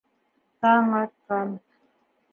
Таң атҡан.